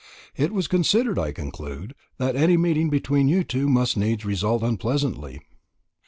It was considered, I conclude, that any meeting between you two must needs result unpleasantly.